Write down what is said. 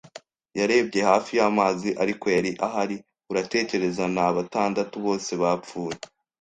yarebye hafi y'amazi. Ariko, yari ahari, uratekereza, na batandatu bose bapfuye -